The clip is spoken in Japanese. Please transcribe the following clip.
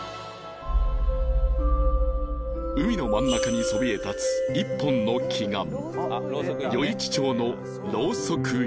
海の真ん中にそびえ立つ１本の奇岩「ローソク岩」